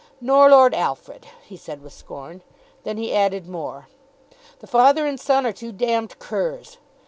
"Nor Lord Alfred," he said with scorn. Then he added more. "The father and son are two d curs."